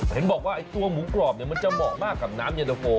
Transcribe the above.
เห็นบอกว่าตัวหมูกรอบเนี่ยมันจะเหมาะมากกับน้ำเย็นตะโฟ